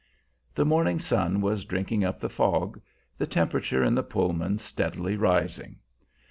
The morning sun was drinking up the fog, the temperature in the Pullman steadily rising.